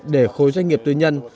để khối doanh nghiệp tư nhân